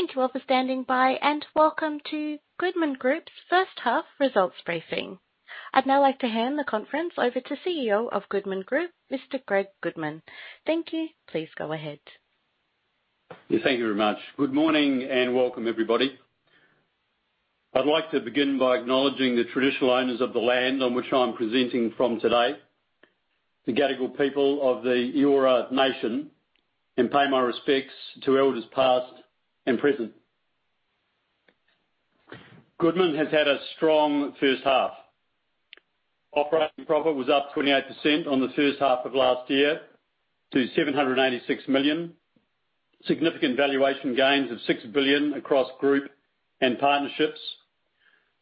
Thank you all for standing by, and welcome to Goodman Group's first half results briefing. I'd now like to hand the conference over to CEO of Goodman Group, Mr. Greg Goodman. Thank you. Please go ahead. Yeah, thank you very much. Good morning and welcome, everybody. I'd like to begin by acknowledging the traditional owners of the land on which I'm presenting from today, the Gadigal people of the Eora nation, and pay my respects to elders past and present. Goodman has had a strong first half. Operating profit was up 28% on the first half of last year to 786 million. Significant valuation gains of 6 billion across group and partnerships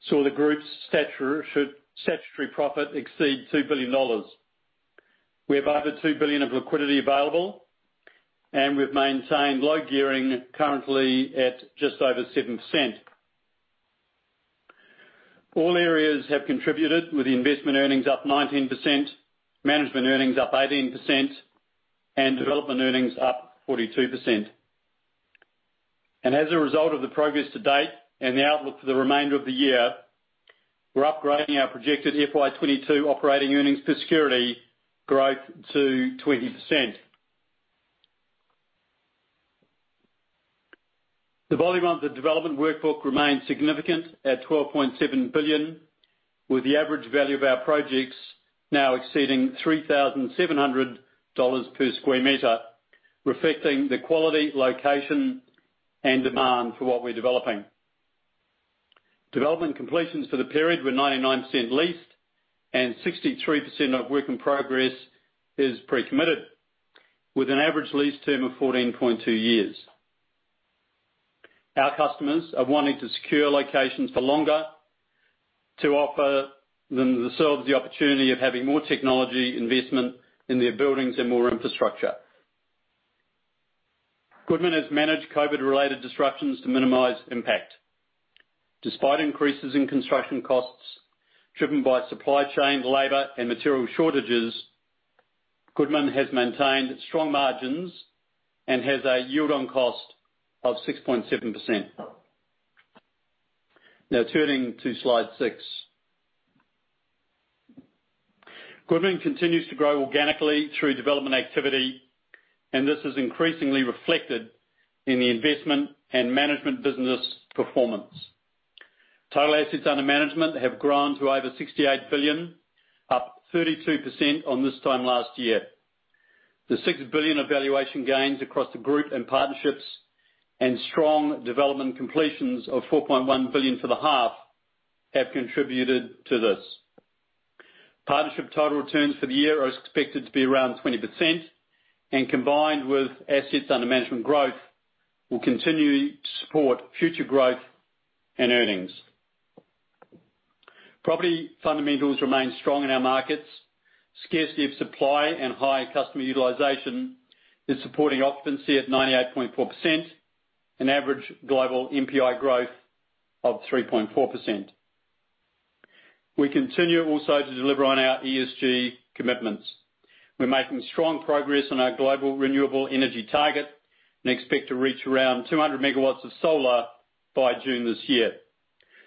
saw the group's statutory profit exceed 2 billion dollars. We have over 2 billion of liquidity available, and we've maintained low gearing, currently at just over 7%. All areas have contributed, with investment earnings up 19%, management earnings up 18%, and development earnings up 42%. As a result of the progress to date and the outlook for the remainder of the year, we're upgrading our projected FY 2022 operating earnings per security growth to 20%. The volume on the development workbook remains significant at AUD 12.7 billion, with the average value of our projects now exceeding AUD 3,700 per square meter, reflecting the quality, location and demand for what we're developing. Development completions for the period were 99% leased and 63% of work in progress is pre-committed, with an average lease term of 14.2 years. Our customers are wanting to secure locations for longer to offer themselves the opportunity of having more technology investment in their buildings and more infrastructure. Goodman has managed COVID-related disruptions to minimize impact. Despite increases in construction costs driven by supply chain, labor and material shortages, Goodman has maintained strong margins and has a yield on cost of 6.7%. Now turning to slide six. Goodman continues to grow organically through development activity, and this is increasingly reflected in the investment and management business performance. Total assets under management have grown to over 68 billion, up 32% on this time last year. The 6 billion of valuation gains across the group and partnerships and strong development completions of 4.1 billion for the half have contributed to this. Partnership total returns for the year are expected to be around 20% and combined with assets under management growth, will continue to support future growth and earnings. Property fundamentals remain strong in our markets. Scarcity of supply and high customer utilization is supporting occupancy at 98.4%, an average global NPI growth of 3.4%. We continue also to deliver on our ESG commitments. We're making strong progress on our global renewable energy target and expect to reach around 200 MW of solar by June this year.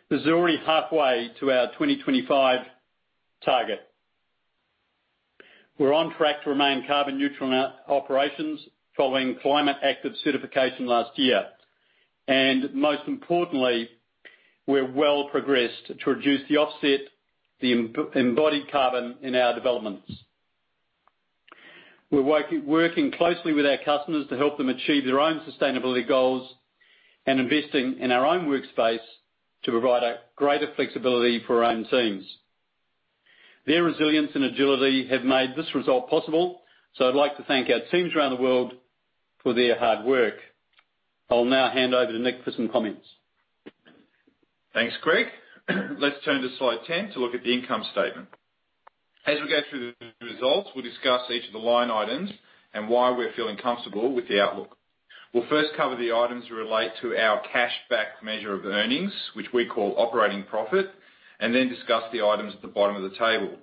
This is already halfway to our 2025 target. We're on track to remain carbon neutral in our operations following Climate Active certification last year. Most importantly, we're well progressed to reduce the embodied carbon in our developments. We're working closely with our customers to help them achieve their own sustainability goals and investing in our own workspace to provide a greater flexibility for our own teams. Their resilience and agility have made this result possible, so I'd like to thank our teams around the world for their hard work. I'll now hand over to Nick for some comments. Thanks, Greg. Let's turn to slide 10 to look at the income statement. As we go through the results, we'll discuss each of the line items and why we're feeling comfortable with the outlook. We'll first cover the items that relate to our cash-backed measure of earnings, which we call operating profit, and then discuss the items at the bottom of the table.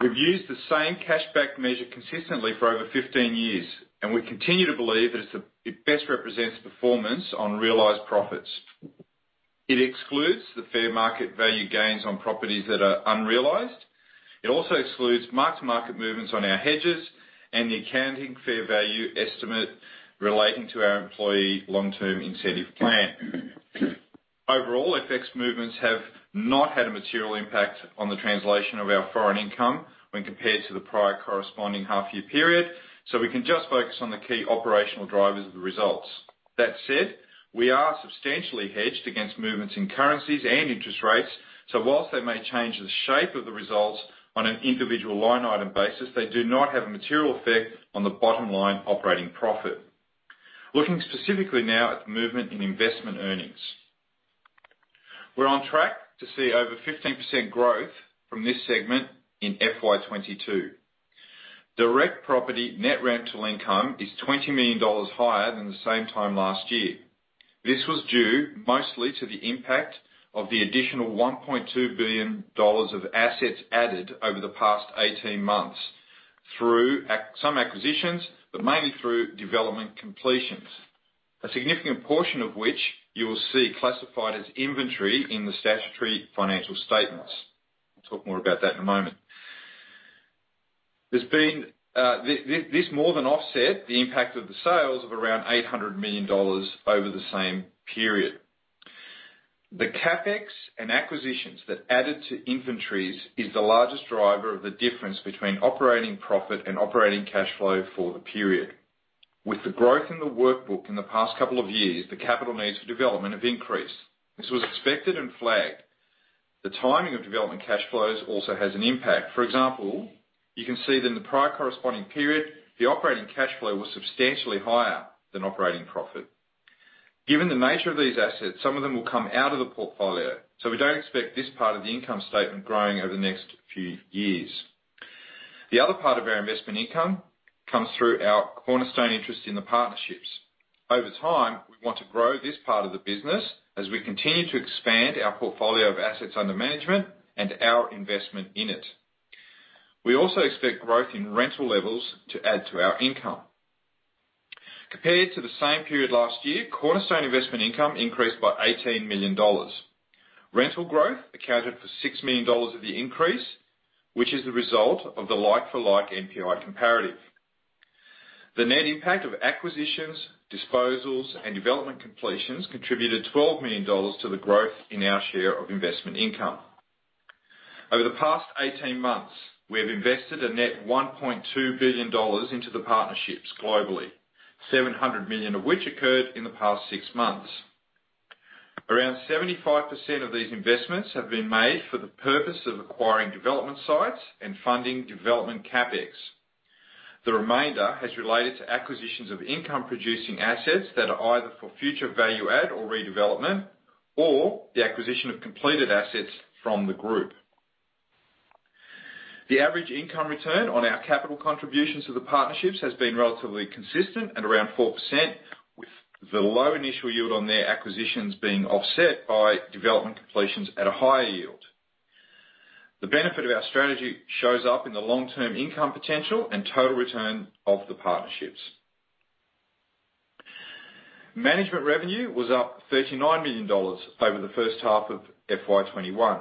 We've used the same cash-backed measure consistently for over 15 years, and we continue to believe that it best represents performance on realized profits. It excludes the fair market value gains on properties that are unrealized. It also excludes mark-to-market movements on our hedges and the accounting fair value estimate relating to our employee long-term incentive plan. Overall, FX movements have not had a material impact on the translation of our foreign income when compared to the prior corresponding half year period, so we can just focus on the key operational drivers of the results. That said, we are substantially hedged against movements in currencies and interest rates, so while they may change the shape of the results on an individual line item basis, they do not have a material effect on the bottom line operating profit. Looking specifically now at the movement in investment earnings. We're on track to see over 15% growth from this segment in FY 2022. Direct property net rental income is 20 million dollars higher than the same time last year. This was due mostly to the impact of the additional 1.2 billion dollars of assets added over the past 18 months. Through some acquisitions, but mainly through development completions, a significant portion of which you will see classified as inventory in the statutory financial statements. We'll talk more about that in a moment. There's been this more than offset the impact of the sales of around 800 million dollars over the same period. The CapEx and acquisitions that added to inventories is the largest driver of the difference between operating profit and operating cash flow for the period. With the growth in the workbook in the past couple of years, the capital needs for development have increased. This was expected and flagged. The timing of development cash flows also has an impact. For example, you can see that in the prior corresponding period, the operating cash flow was substantially higher than operating profit. Given the nature of these assets, some of them will come out of the portfolio, so we don't expect this part of the income statement growing over the next few years. The other part of our investment income comes through our Cornerstone interest in the partnerships. Over time, we want to grow this part of the business as we continue to expand our portfolio of assets under management and our investment in it. We also expect growth in rental levels to add to our income. Compared to the same period last year, Cornerstone investment income increased by 18 million dollars. Rental growth accounted for 6 million dollars of the increase, which is the result of the like-for-like NPI comparative. The net impact of acquisitions, disposals, and development completions contributed 12 million dollars to the growth in our share of investment income. Over the past 18 months, we have invested a net 1.2 billion dollars into the partnerships globally, 700 million of which occurred in the past six months. Around 75% of these investments have been made for the purpose of acquiring development sites and funding development CapEx. The remainder has related to acquisitions of income-producing assets that are either for future value add or redevelopment, or the acquisition of completed assets from the group. The average income return on our capital contributions to the partnerships has been relatively consistent at around 4%, with the low initial yield on their acquisitions being offset by development completions at a higher yield. The benefit of our strategy shows up in the long-term income potential and total return of the partnerships. Management revenue was up 39 million dollars over the first half of FY 2021.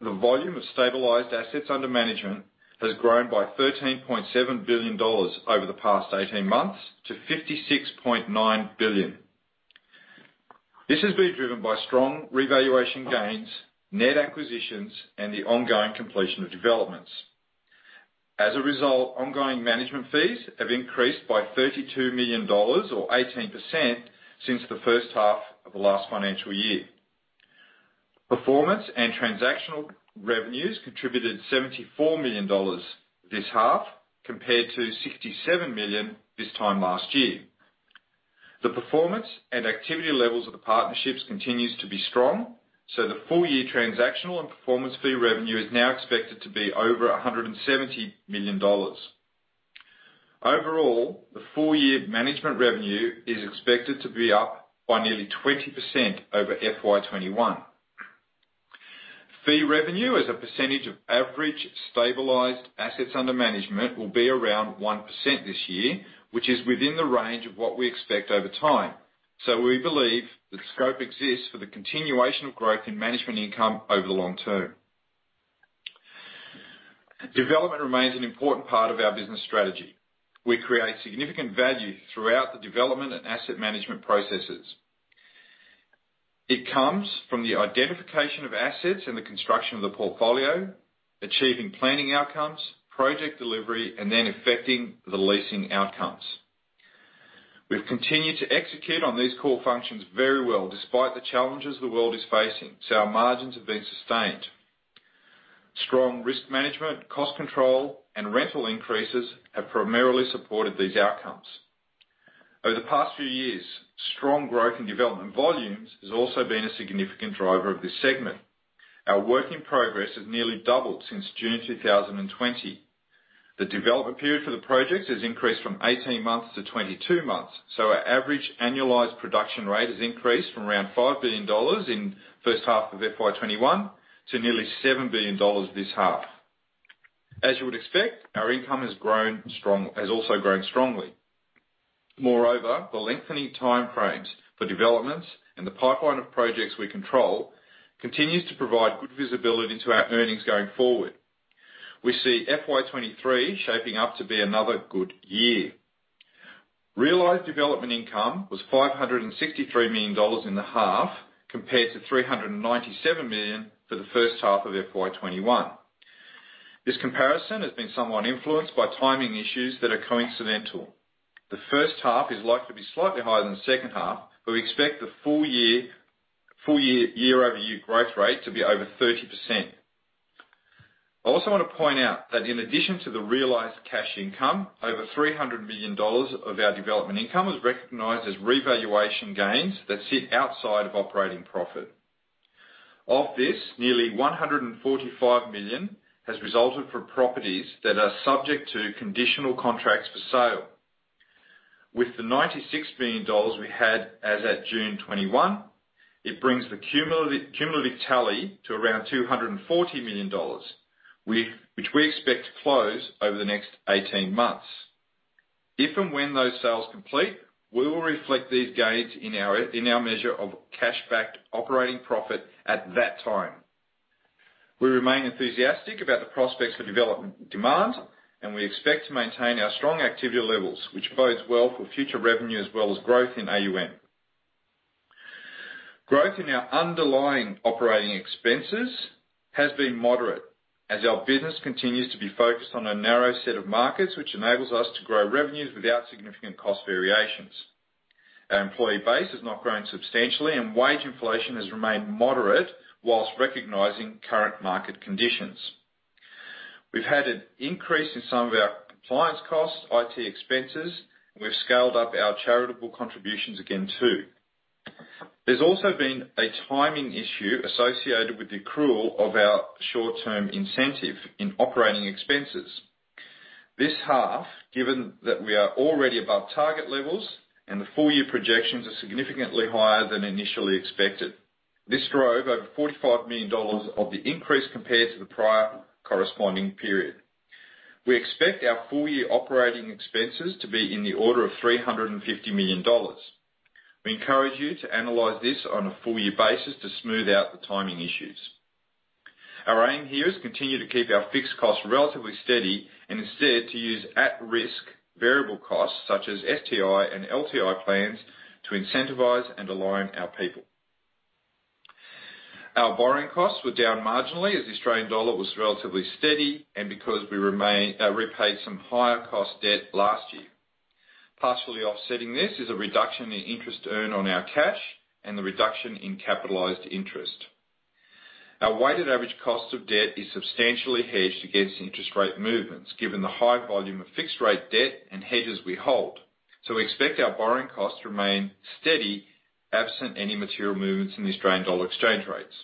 The volume of stabilized assets under management has grown by 13.7 billion dollars over the past 18 months to 56.9 billion. This has been driven by strong revaluation gains, net acquisitions, and the ongoing completion of developments. As a result, ongoing management fees have increased by 32 million dollars or 18% since the first half of the last financial year. Performance and transactional revenues contributed 74 million dollars this half compared to 67 million this time last year. The performance and activity levels of the partnerships continues to be strong, so the full year transactional and performance fee revenue is now expected to be over 170 million dollars. Overall, the full year management revenue is expected to be up by nearly 20% over FY 2021. Fee revenue as a percentage of average stabilized assets under management will be around 1% this year, which is within the range of what we expect over time. We believe that scope exists for the continuation of growth in management income over the long term. Development remains an important part of our business strategy. We create significant value throughout the development and asset management processes. It comes from the identification of assets in the construction of the portfolio, achieving planning outcomes, project delivery, and then effecting the leasing outcomes. We've continued to execute on these core functions very well despite the challenges the world is facing, so our margins have been sustained. Strong risk management, cost control, and rental increases have primarily supported these outcomes. Over the past few years, strong growth in development volumes has also been a significant driver of this segment. Our work in progress has nearly doubled since June 2020. The development period for the projects has increased from 18 months to 22 months, so our average annualized production rate has increased from around 5 billion dollars in first half of FY 2021 to nearly 7 billion dollars this half. As you would expect, our income has also grown strongly. Moreover, the lengthening time frames for developments and the pipeline of projects we control continues to provide good visibility to our earnings going forward. We see FY 2023 shaping up to be another good year. Realized development income was 563 million dollars in the half compared to 397 million for the first half of FY 2021. This comparison has been somewhat influenced by timing issues that are coincidental. The first half is likely to be slightly higher than the second half, but we expect the full year year-over-year growth rate to be over 30%. I also wanna point out that in addition to the realized cash income, over 300 million dollars of our development income was recognized as revaluation gains that sit outside of operating profit. Of this, nearly 145 million has resulted from properties that are subject to conditional contracts for sale. With the 96 million dollars we had as at June 2021, it brings the cumulative tally to around 240 million dollars, which we expect to close over the next 18 months. If and when those sales complete, we will reflect these gains in our measure of cash-backed operating profit at that time. We remain enthusiastic about the prospects for development demand, and we expect to maintain our strong activity levels, which bodes well for future revenue as well as growth in AUM. Growth in our underlying operating expenses has been moderate as our business continues to be focused on a narrow set of markets, which enables us to grow revenues without significant cost variations. Our employee base has not grown substantially, and wage inflation has remained moderate while recognizing current market conditions. We've had an increase in some of our compliance costs, IT expenses, and we've scaled up our charitable contributions again too. There's also been a timing issue associated with the accrual of our short-term incentive in operating expenses. This half, given that we are already above target levels and the full year projections are significantly higher than initially expected. This drove over 45 million dollars of the increase compared to the prior corresponding period. We expect our full year operating expenses to be in the order of 350 million dollars. We encourage you to analyze this on a full year basis to smooth out the timing issues. Our aim here is continue to keep our fixed costs relatively steady and instead to use at-risk variable costs such as STI and LTI plans to incentivize and align our people. Our borrowing costs were down marginally as the Australian dollar was relatively steady, and because we repaid some higher cost debt last year. Partially offsetting this is a reduction in interest earned on our cash and the reduction in capitalized interest. Our weighted average cost of debt is substantially hedged against interest rate movements, given the high volume of fixed rate debt and hedges we hold. We expect our borrowing costs to remain steady absent any material movements in the Australian dollar exchange rates.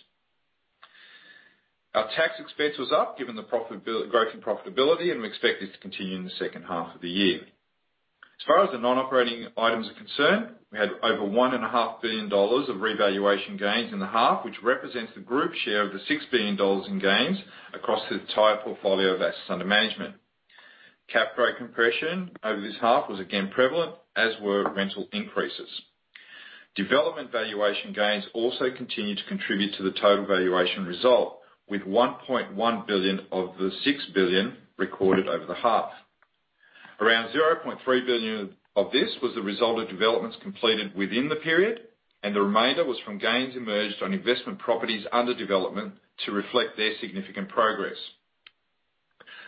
Our tax expense was up given the profitability, growth in profitability, and we expect this to continue in the second half of the year. As far as the non-operating items are concerned, we had over 1.5 billion dollars of revaluation gains in the half, which represents the group share of the 6 billion dollars in gains across the entire portfolio of assets under management. Cap rate compression over this half was again prevalent, as were rental increases. Development valuation gains also continue to contribute to the total valuation result with 1.1 billion of the 6 billion recorded over the half. Around 0.3 billion of this was the result of developments completed within the period, and the remainder was from gains emerged on investment properties under development to reflect their significant progress.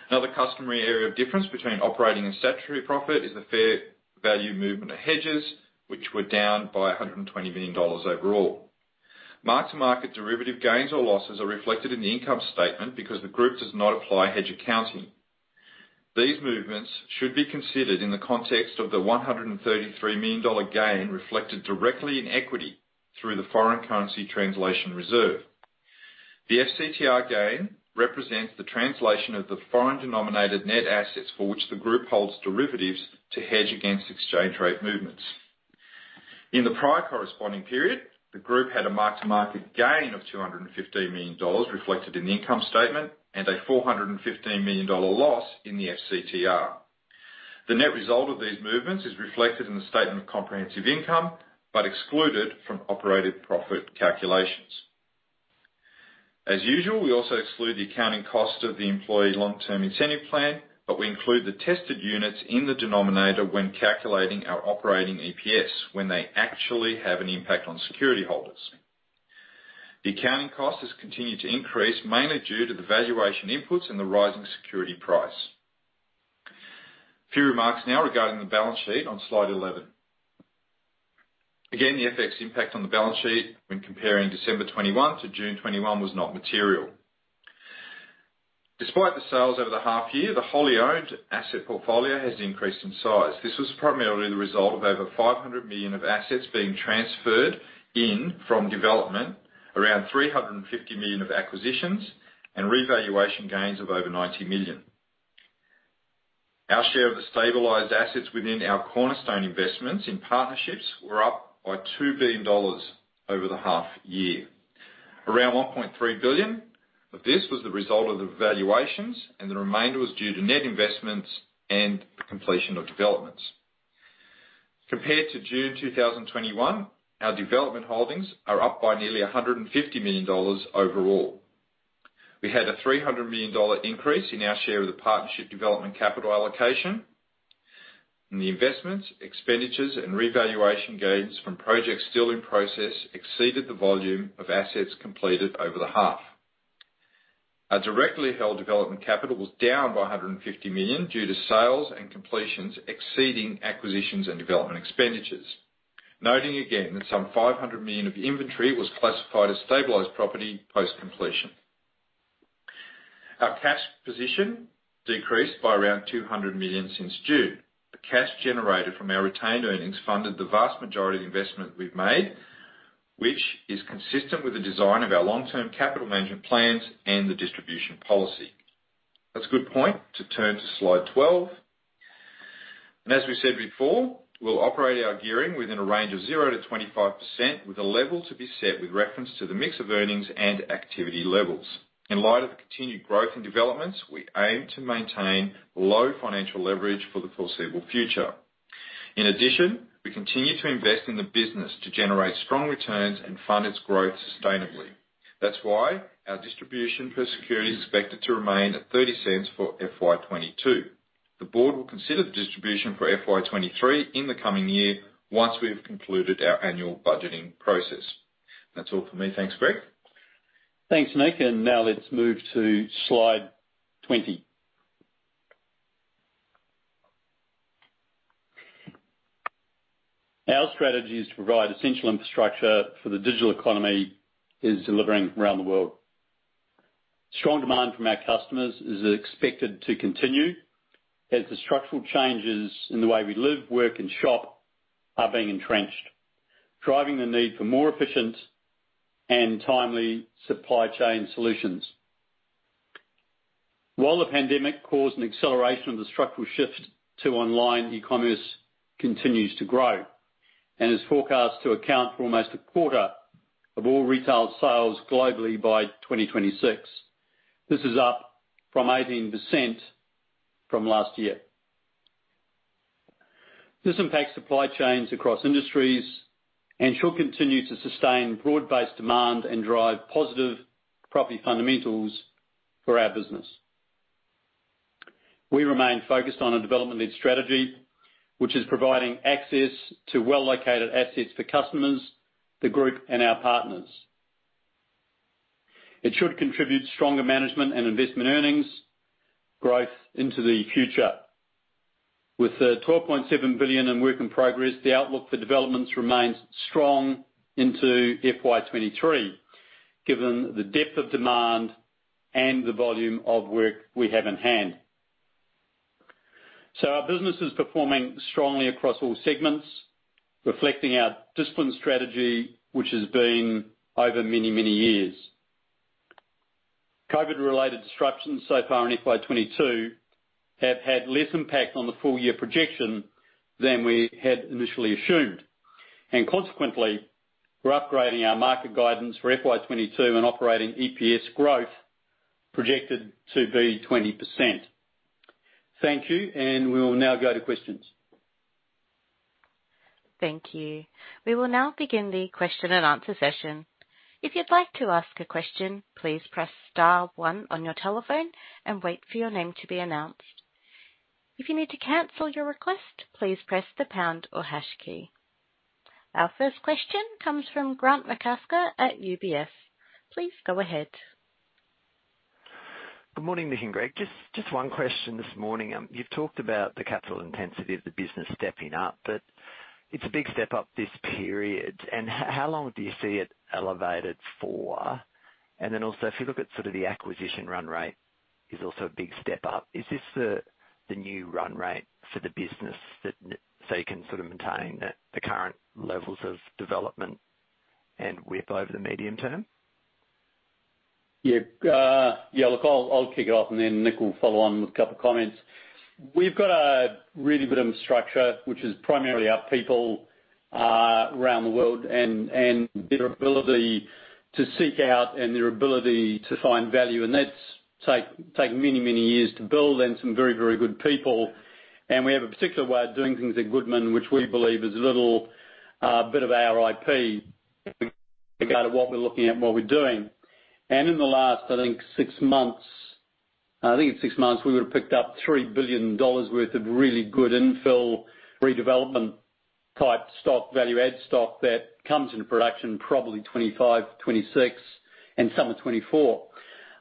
Another customary area of difference between operating and statutory profit is the fair value movement of hedges, which were down by 120 million dollars overall. Mark-to-market derivative gains or losses are reflected in the income statement because the group does not apply hedge accounting. These movements should be considered in the context of the 133 million dollar gain reflected directly in equity through the foreign currency translation reserve. The FCTR gain represents the translation of the foreign denominated net assets for which the group holds derivatives to hedge against exchange rate movements. In the prior corresponding period, the group had a mark-to-market gain of 215 million dollars reflected in the income statement and a 415 million dollar loss in the FCTR. The net result of these movements is reflected in the statement of comprehensive income, but excluded from operating profit calculations. As usual, we also exclude the accounting cost of the employee long-term incentive plan, but we include the vested units in the denominator when calculating our operating EPS when they actually have an impact on security holders. The accounting cost has continued to increase mainly due to the valuation inputs and the rising security price. A few remarks now regarding the balance sheet on slide 11. Again, the FX impact on the balance sheet when comparing December 2021 to June 2021 was not material. Despite the sales over the half year, the wholly owned asset portfolio has increased in size. This was primarily the result of over 500 million of assets being transferred in from development, around 350 million of acquisitions, and revaluation gains of over 90 million. Our share of the stabilized assets within our cornerstone investments in partnerships were up by 2 billion dollars over the half year. Around 1.3 billion of this was the result of the valuations, and the remainder was due to net investments and the completion of developments. Compared to June 2021, our development holdings are up by nearly 150 million dollars overall. We had a 300 million dollar increase in our share of the partnership development capital allocation. The investments, expenditures, and revaluation gains from projects still in process exceeded the volume of assets completed over the half. Our directly held development capital was down by 150 million due to sales and completions exceeding acquisitions and development expenditures. Noting again that some 500 million of inventory was classified as stabilized property post-completion. Our cash position decreased by around 200 million since June. The cash generated from our retained earnings funded the vast majority of the investment we've made, which is consistent with the design of our long-term capital management plans and the distribution policy. That's a good point to turn to slide 12. As we said before, we'll operate our gearing within a range of 0%-25% with a level to be set with reference to the mix of earnings and activity levels. In light of the continued growth and developments, we aim to maintain low financial leverage for the foreseeable future. In addition, we continue to invest in the business to generate strong returns and fund its growth sustainably. That's why our distribution per security is expected to remain at 0.30 for FY 2022. The board will consider the distribution for FY 2023 in the coming year once we have concluded our annual budgeting process. That's all for me. Thanks, Greg. Thanks, Nick. Now let's move to slide 20. Our strategy is to provide essential infrastructure for the digital economy is delivering around the world. Strong demand from our customers is expected to continue as the structural changes in the way we live, work, and shop are being entrenched, driving the need for more efficient and timely supply chain solutions. While the pandemic caused an acceleration of the structural shift to online, e-commerce continues to grow and is forecast to account for almost a quarter of all retail sales globally by 2026. This is up from 18% from last year. This impacts supply chains across industries and should continue to sustain broad-based demand and drive positive property fundamentals for our business. We remain focused on a development lead strategy, which is providing access to well-located assets for customers, the group, and our partners. It should contribute stronger management and investment earnings growth into the future. With the 12.7 billion in work in progress, the outlook for developments remains strong into FY 2023, given the depth of demand and the volume of work we have in hand. Our business is performing strongly across all segments, reflecting our disciplined strategy, which has been over many, many years. COVID-related disruptions so far in FY 2022 have had less impact on the full year projection than we had initially assumed. Consequently, we're upgrading our market guidance for FY 2022 and operating EPS growth projected to be 20%. Thank you, and we will now go to questions. Thank you. We will now begin the question and answer session. If you'd like to ask a question, please press star one on your telephone and wait for your name to be announced. If you need to cancel your request, please press the pound or hash key. Our first question comes from Grant McCasker at UBS. Please go ahead. Good morning, Nick and Greg. Just one question this morning. You've talked about the capital intensity of the business stepping up, but it's a big step up this period. How long do you see it elevated for? Then also, if you look at sort of the acquisition run rate is also a big step up. Is this the new run rate for the business that so you can sort of maintain the current levels of development and WIP over the medium term? Yeah, look, I'll kick it off, and then Nick will follow on with a couple of comments. We've got a really good infrastructure, which is primarily our people around the world and their ability to seek out and their ability to find value. That's taken many years to build and some very good people. We have a particular way of doing things at Goodman, which we believe is a little bit of our IP regarding what we're looking at and what we're doing. In the last six months, we would have picked up 3 billion dollars worth of really good infill redevelopment type stock, value add stock that comes into production probably 2025, 2026 and some in 2024.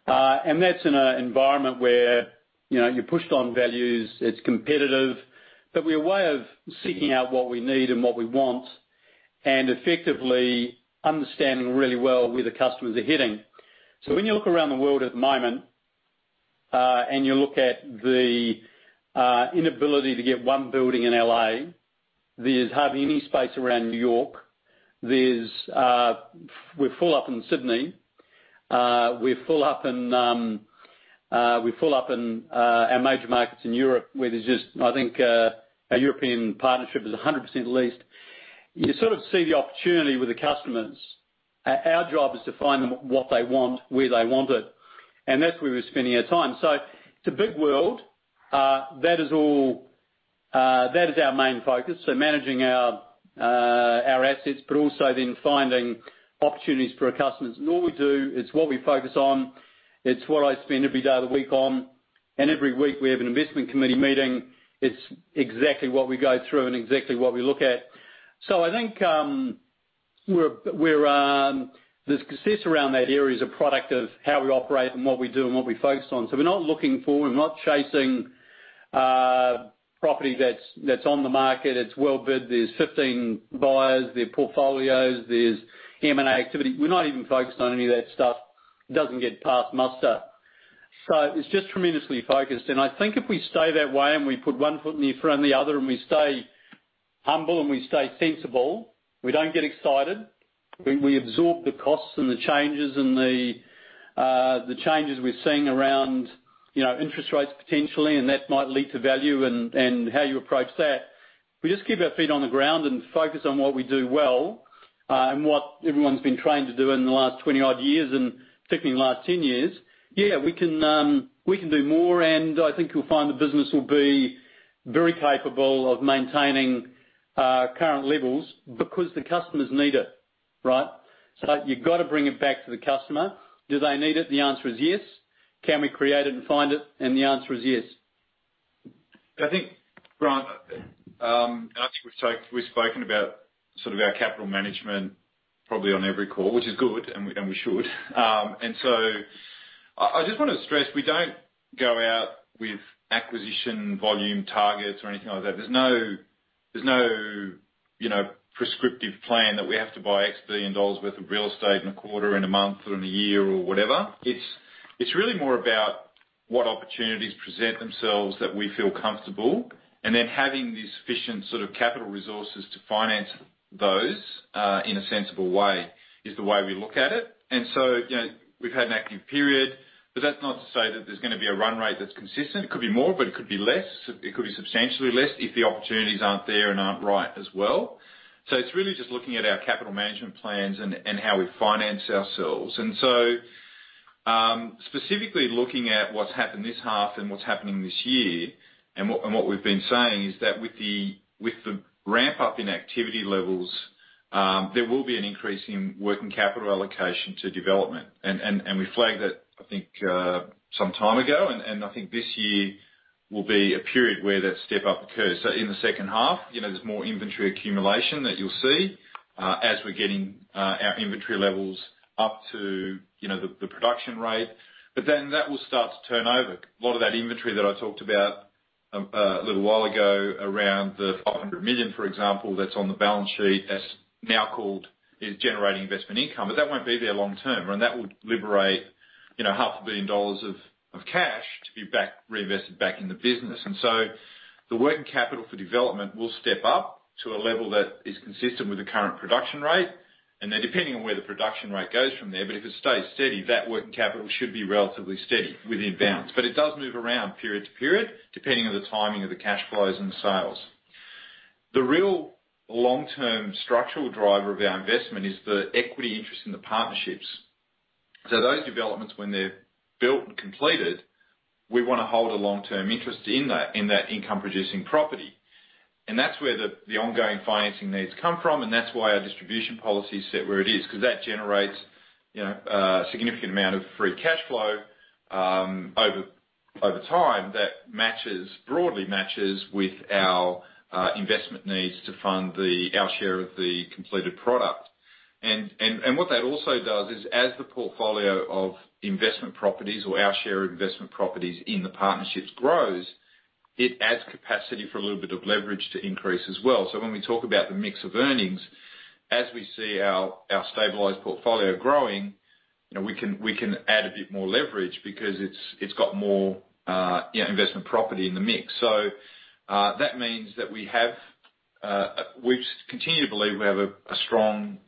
That's in an environment where, you know, you're pushed on values, it's competitive. We are way ahead of seeking out what we need and what we want and effectively understanding really well where the customers are heading. When you look around the world at the moment, the inability to get one building in L.A., there's hardly any space around New York. We're full up in Sydney. We're full up in our major markets in Europe, where there's just, I think, our European partnership is 100% leased. You sort of see the opportunity with the customers. Our job is to find them what they want, where they want it, and that's where we're spending our time. It's a big world. That is our main focus. Managing our assets, but also then finding opportunities for our customers. All we do, it's what we focus on. It's what I spend every day of the week on. Every week, we have an investment committee meeting. It's exactly what we go through and exactly what we look at. I think we're the success around that area is a product of how we operate and what we do and what we focus on. We're not looking forward. We're not chasing property that's on the market. It's well bid. There's 15 buyers, there are portfolios, there's M&A activity. We're not even focused on any of that stuff. It doesn't get past muster. It's just tremendously focused. I think if we stay that way, and we put one foot in front of the other, and we stay humble and we stay sensible. We don't get excited. We absorb the costs and the changes and the changes we're seeing around, you know, interest rates potentially, and that might lead to value and how you approach that. We just keep our feet on the ground and focus on what we do well, and what everyone's been trained to do in the last 20-odd years, and particularly in the last 10 years. Yeah, we can do more, and I think you'll find the business will be very capable of maintaining our current levels because the customers need it, right? You've got to bring it back to the customer. Do they need it? The answer is yes. Can we create it and find it? The answer is yes. I think, Grant, and I think we've spoken about sort of our capital management probably on every call, which is good, and we should. I just wanna stress, we don't go out with acquisition volume targets or anything like that. There's no, you know, prescriptive plan that we have to buy X billion dollars worth of real estate in a quarter, in a month, in a year, or whatever. It's really more about what opportunities present themselves that we feel comfortable, and then having the sufficient sort of capital resources to finance those in a sensible way is the way we look at it. You know, we've had an active period, but that's not to say that there's gonna be a run rate that's consistent. It could be more, but it could be less. It could be substantially less if the opportunities aren't there and aren't right as well. It's really just looking at our capital management plans and how we finance ourselves. Specifically looking at what's happened this half and what's happening this year, what we've been saying is that with the ramp-up in activity levels, there will be an increase in working capital allocation to development. We flagged that, I think, some time ago. I think this year will be a period where that step-up occurs. In the second half, you know, there's more inventory accumulation that you'll see, as we're getting our inventory levels up to, you know, the production rate. That will start to turn over. A lot of that inventory that I talked about a little while ago around the 500 million, for example, that's on the balance sheet. That's now held, is generating investment income. That won't be there long term, and that would liberate, you know, 500 million dollars of cash to be reinvested back in the business. The working capital for development will step up to a level that is consistent with the current production rate. Depending on where the production rate goes from there, but if it stays steady, that working capital should be relatively steady within bounds. It does move around period to period, depending on the timing of the cash flows and the sales. The real long-term structural driver of our investment is the equity interest in the partnerships. Those developments when they're built and completed, we wanna hold a long-term interest in that income-producing property. That's where the ongoing financing needs come from, and that's why our distribution policy is set where it is, 'cause that generates, you know, a significant amount of free cash flow over time that broadly matches with our investment needs to fund our share of the completed product. What that also does is as the portfolio of investment properties or our share of investment properties in the partnerships grows, it adds capacity for a little bit of leverage to increase as well. When we talk about the mix of earnings, as we see our stabilized portfolio growing, you know, we can add a bit more leverage because it's got more, you know, investment property in the mix. That means that we continue to believe we have a strong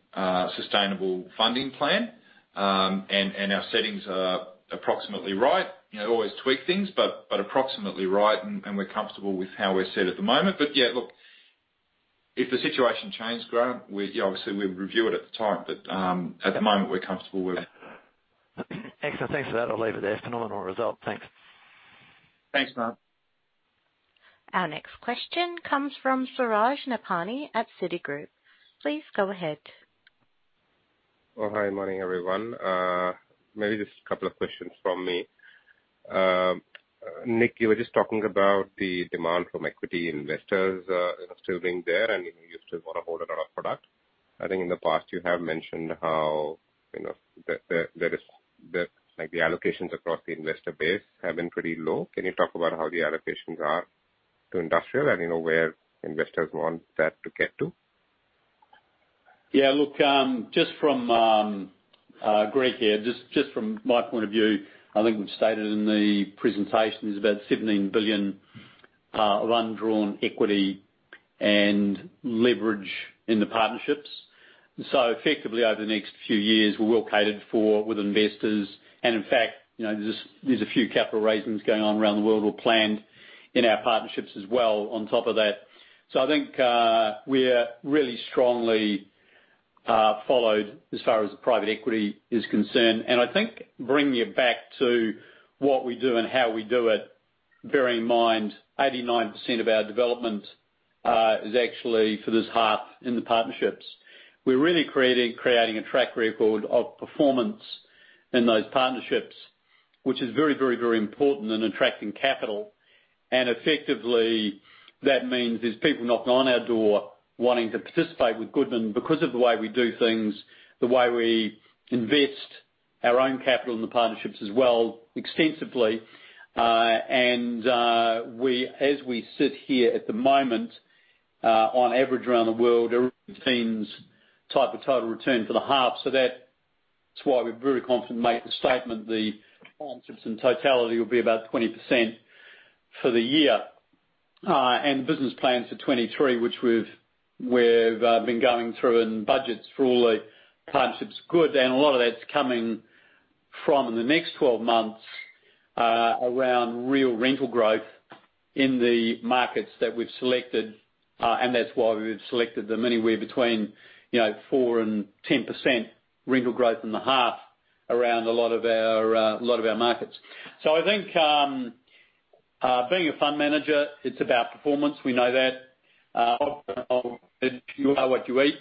sustainable funding plan. And our settings are approximately right. You know, always tweak things, but approximately right, and we're comfortable with how we're set at the moment. Yeah, look, if the situation changed, Grant, you know, obviously we'd review it at the time. At the moment, we're comfortable with it. Excellent. Thanks for that. I'll leave it there. Phenomenal result. Thanks. Thanks, Grant. Our next question comes from Suraj Nebhani at Citigroup. Please go ahead. Oh, hi. Morning, everyone. Maybe just a couple of questions from me. Nick, you were just talking about the demand from equity investors, you know, still being there, and you still wanna hold a lot of product. I think in the past you have mentioned how, you know, the allocations across the investor base have been pretty low. Can you talk about how the allocations are to industrial and you know, where investors want that to get to? Yeah. Look, just from. Greg here. Just from my point of view, I think we've stated in the presentation there's about 17 billion of undrawn equity and leverage in the partnerships. Effectively, over the next few years, we're well catered for with investors. In fact, you know, there's a few capital raisings going on around the world or planned in our partnerships as well on top of that. I think, we're really strongly followed as far as the private equity is concerned. I think bringing it back to what we do and how we do it, bear in mind, 89% of our development is actually for this half in the partnerships. We're really creating a track record of performance in those partnerships, which is very important in attracting capital. Effectively, that means there's people knocking on our door wanting to participate with Goodman because of the way we do things, the way we invest our own capital in the partnerships as well, extensively. We, as we sit here at the moment, on average around the world, everything's on track for total return for the half. That's why we're very confident to make the statement the partnerships in totality will be about 20% for the year. The business plan for 2023, which we've been going through, and budgets for all the partnerships good. A lot of that's coming from in the next 12 months around real rental growth in the markets that we've selected, and that's why we've selected them, anywhere between, you know, 4% and 10% rental growth in the half around a lot of our markets. I think being a fund manager, it's about performance. We know that. You are what you eat.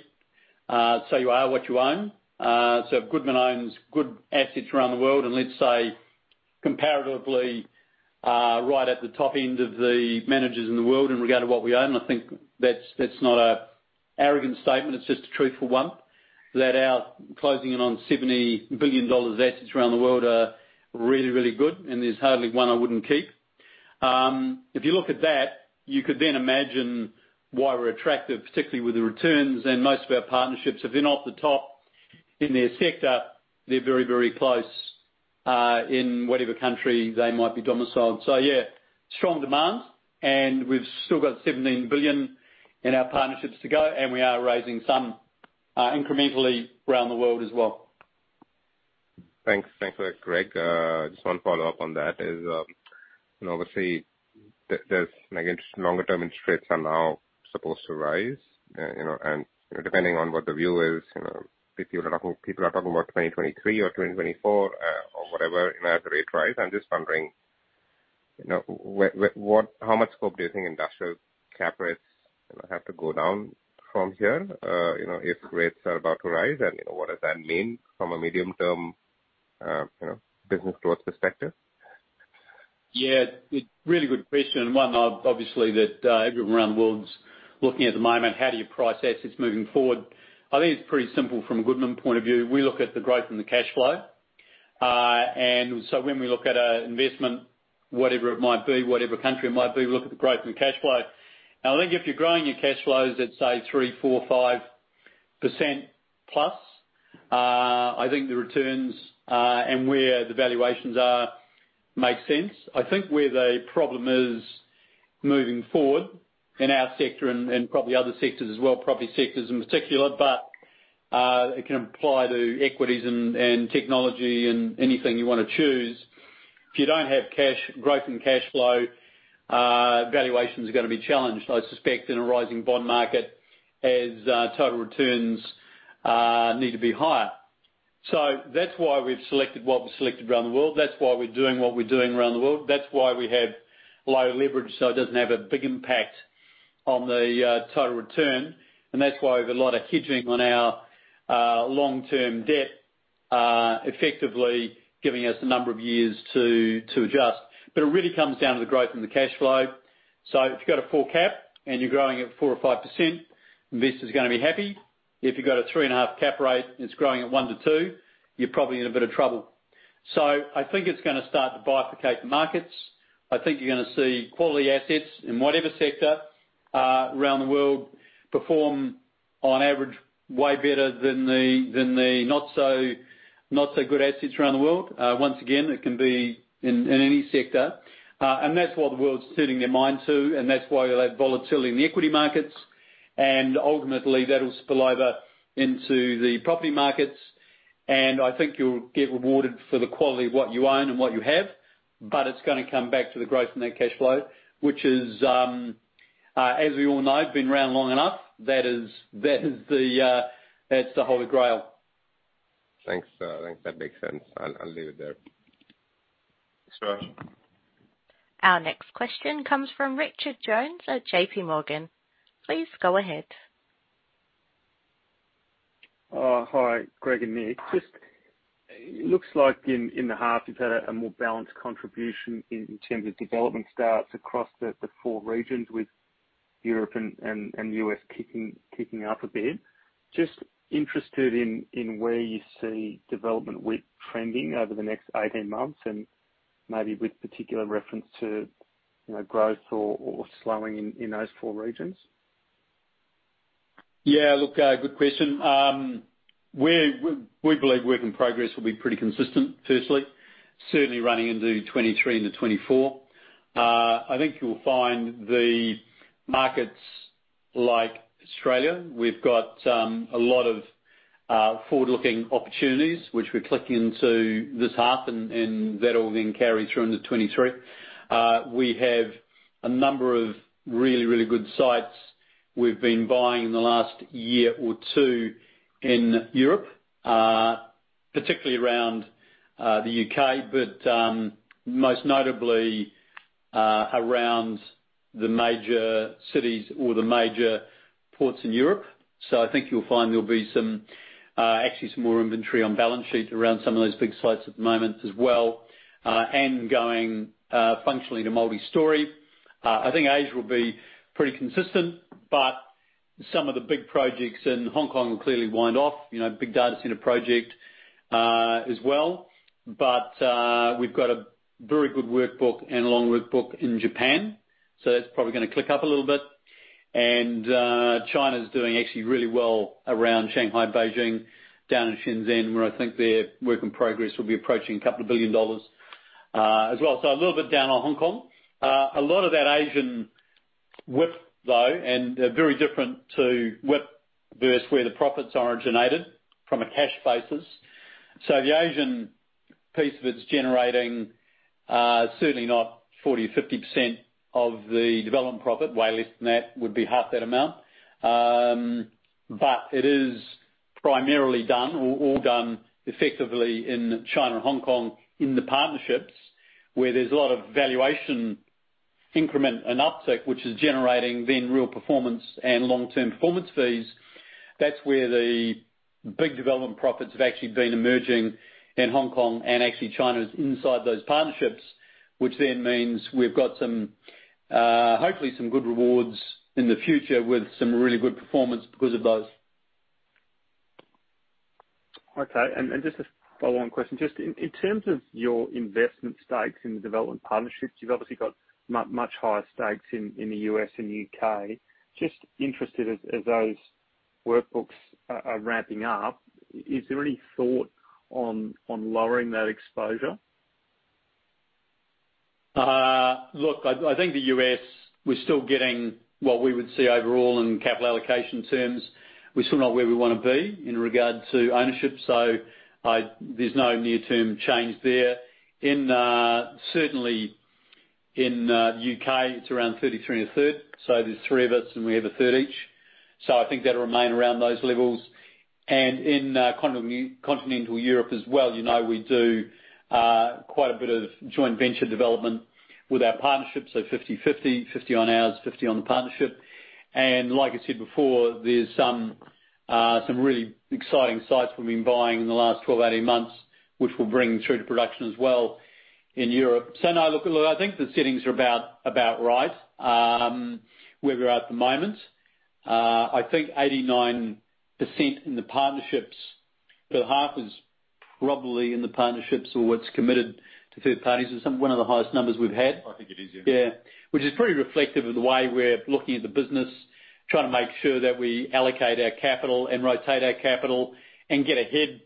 So you are what you own. If Goodman owns good assets around the world, and let's say comparatively right at the top end of the managers in the world in regard to what we own, I think that's not an arrogant statement, it's just a truthful one. Our closing in on 70 billion dollars assets around the world are really, really good and there's hardly one I wouldn't keep. If you look at that, you could then imagine why we're attractive, particularly with the returns, and most of our partnerships, if they're not off the top in their sector, they're very, very close, in whatever country they might be domiciled. Yeah, strong demand, and we've still got AUD 17 billion in our partnerships to go, and we are raising some, incrementally around the world as well. Thanks. Thanks for that, Greg. Just one follow-up on that is, you know, obviously the negative longer-term interest rates are now supposed to rise, you know, and, you know, depending on what the view is, you know, people are talking about 2023 or 2024, or whatever in average rate rise. I'm just wondering, you know, what, how much scope do you think industrial cap rates, you know, have to go down from here, you know, if rates are about to rise? You know, what does that mean from a medium-term, you know, business growth perspective? Yeah, it's really good question, and one obviously that everyone around the world is looking at the moment. How do you price assets moving forward? I think it's pretty simple from a Goodman point of view. We look at the growth and the cash flow. When we look at an investment, whatever it might be, whatever country it might be, we look at the growth and cash flow. Now, I think if you're growing your cash flows at, say 3%, 4%, 5%+, I think the returns and where the valuations are make sense. I think where the problem is moving forward in our sector and probably other sectors as well, property sectors in particular, but it can apply to equities and technology and anything you wanna choose. If you don't have cash, growth and cash flow, valuations are gonna be challenged, I suspect, in a rising bond market as total returns need to be higher. That's why we've selected what we've selected around the world. That's why we're doing what we're doing around the world. That's why we have low leverage, so it doesn't have a big impact on the total return. That's why we've a lot of hedging on our long-term debt, effectively giving us a number of years to adjust. It really comes down to the growth and the cash flow. If you've got a 4% cap and you're growing at 4% or 5%, investor's gonna be happy. If you've got a 3.5% cap rate and it's growing at 1%-2%, you're probably in a bit of trouble. I think it's gonna start to bifurcate the markets. I think you're gonna see quality assets in whatever sector, around the world perform on average way better than the not so good assets around the world. Once again, it can be in any sector. That's what the world's turning their mind to, and that's why you'll have volatility in the equity markets. Ultimately, that'll spill over into the property markets. I think you'll get rewarded for the quality of what you own and what you have, but it's gonna come back to the growth in that cash flow, which is, as we all know, have been around long enough, that is the Holy Grail. Thanks. I think that makes sense. I'll leave it there. Sure. Our next question comes from Richard Jones at JPMorgan. Please go ahead. Hi, Greg and Nick. Just looks like in the half you've had a more balanced contribution in terms of development starts across the four regions with Europe and U.S. kicking up a bit. Just interested in where you see development trending over the next 18 months and maybe with particular reference to, you know, growth or slowing in those four regions. Yeah, look, good question. We believe work in progress will be pretty consistent, firstly. Certainly running into 2023 into 2024. I think you'll find the markets like Australia, we've got a lot of forward-looking opportunities which we're clicking into this half, and that will then carry through into 2023. We have a number of really good sites we've been buying in the last year or two in Europe, particularly around the U.K., but most notably around the major cities or the major ports in Europe. So I think you'll find there'll be some actually some more inventory on balance sheet around some of those big sites at the moment as well, and going functionally to multistory. I think Asia will be pretty consistent, but some of the big projects in Hong Kong will clearly wind down, you know, big data center project, as well. We've got a very good workbook and long workbook in Japan, so that's probably gonna pick up a little bit. China's doing actually really well around Shanghai, Beijing, down in Shenzhen, where I think their work in progress will be approaching 2 billion dollars, as well. A little bit down on Hong Kong. A lot of that Asian WIP, though, and very different to WIP versus where the profits originated from a cash basis. The Asian piece of it is generating, certainly not 40% or 50% of the development profit, way less than that, would be half that amount. It is primarily done or all done effectively in China and Hong Kong in the partnerships where there's a lot of valuation increment and uptick, which is generating then real performance and long-term performance fees. That's where the big development profits have actually been emerging in Hong Kong, and actually China is inside those partnerships, which then means we've got some, hopefully some good rewards in the future with some really good performance because of those. Okay. Just a follow-on question. Just in terms of your investment stakes in the development partnerships, you've obviously got much higher stakes in the U.S. and U.K. Just interested as those workloads are ramping up, is there any thought on lowering that exposure? Look, I think the U.S., we're still getting what we would see overall in capital allocation terms. We're still not where we wanna be in regard to ownership, so there's no near-term change there. In, certainly, in the U.K., it's around 33 and a 1/3, so there's three of us and we have a 1/3 each. I think that'll remain around those levels. In continental Europe as well, you know we do quite a bit of joint venture development with our partnerships, so 50/50, 50 on ours, 50 on the partnership. Like I said before, there's some really exciting sites we've been buying in the last 12, 18 months, which we'll bring through to production as well in Europe. No, look, I think the settings are about right where we're at the moment. I think 89% in the partnerships, but half is probably in the partnerships or what's committed to third parties is one of the highest numbers we've had. I think it is, yeah. Yeah. Which is pretty reflective of the way we're looking at the business, trying to make sure that we allocate our capital and rotate our capital and get ahead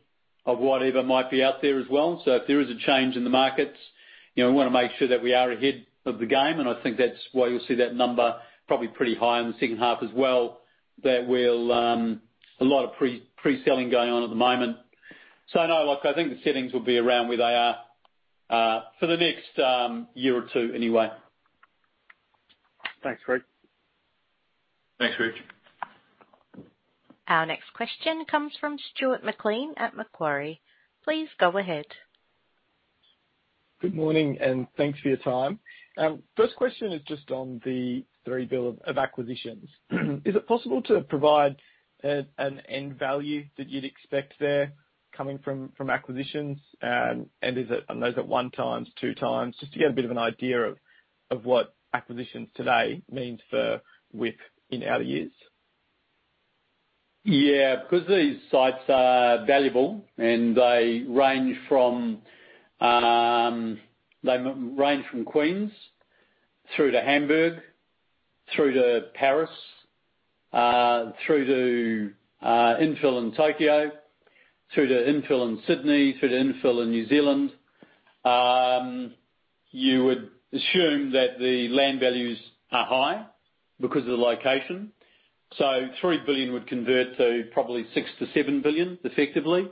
of whatever might be out there as well. If there is a change in the markets, you know, we wanna make sure that we are ahead of the game, and I think that's why you'll see that number probably pretty high in the second half as well. That will. A lot of pre-selling going on at the moment. No, look, I think the settings will be around where they are for the next year or two anyway. Thanks, Greg. Thanks, Rich. Our next question comes from Stuart McLean at Macquarie. Please go ahead. Good morning, and thanks for your time. First question is just on the 3 billion of acquisitions. Is it possible to provide an end value that you'd expect there coming from acquisitions? And those at 1x, 2x, just to get a bit of an idea of what acquisitions today means for WIP in outer years. Yeah. Because these sites are valuable and they range from Queens through to Hamburg, through to Paris, through to infill in Tokyo, through to infill in Sydney, through to infill in New Zealand, you would assume that the land values are high because of the location. So 3 billion would convert to probably 6 billion-7 billion effectively,